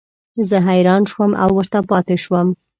زه حیران شوم او ورته پاتې شوم.